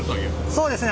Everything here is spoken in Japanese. そうですね。